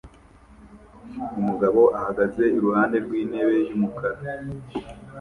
Umugabo ahagaze iruhande rwintebe yumukara